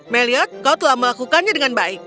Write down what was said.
meliad kau telah melakukannya dengan baik